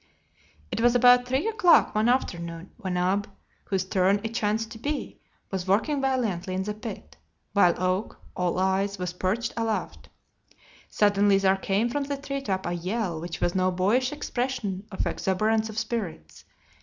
It was about three o'clock one afternoon when Ab, whose turn it chanced to be, was working valiantly in the pit, while Oak, all eyes, was perched aloft. Suddenly there came from the treetop a yell which was no boyish expression of exuberance of spirits.